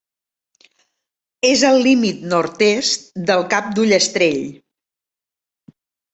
És el límit nord-est del Cap d'Ullastrell.